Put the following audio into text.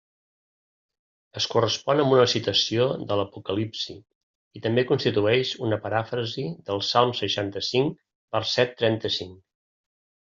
Es correspon amb una citació de l'Apocalipsi, i també constitueix una paràfrasi del Salm seixanta-cinc, verset trenta-cinc.